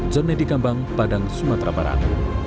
jornedi kambang padang sumatera barat